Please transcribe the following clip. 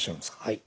はい。